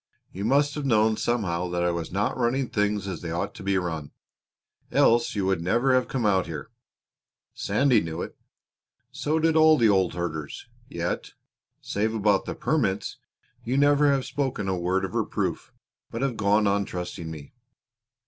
You must have known somehow that I was not running things as they ought to be run, else you would never have come out here. Sandy knew it so did all the old herders. Yet, save about the permits, you never have spoken a word of reproof, but have gone on trusting me.